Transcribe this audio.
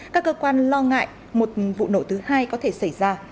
các cơ quan lo ngại một vụ nổ thứ hai có thể xảy ra